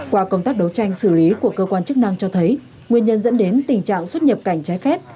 qua công tác đấu tranh xử lý của cơ quan chức năng cho thấy nguyên nhân dẫn đến tình trạng xuất nhập cảnh trái phép